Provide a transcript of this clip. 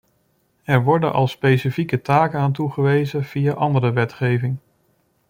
Er worden al specifieke taken aan toegewezen via andere wetgeving.